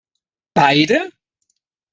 Beide?